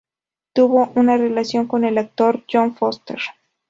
Tuvo una relación con el actor Jon Foster.